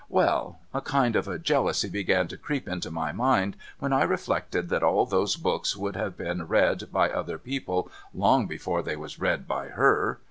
Well ! A kind of a jealousy began to creep into my mind when I reflected that all those books would have been read by other people long before they was read by her.